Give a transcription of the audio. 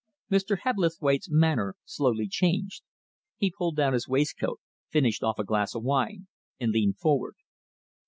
Mr. Hebblethwaite's manner slowly changed. He pulled down his waistcoat, finished off a glass of wine, and leaned forward.